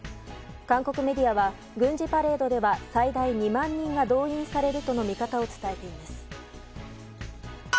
韓国メディアは軍事パレードでは最大２万人が動員されるとの見方を伝えています。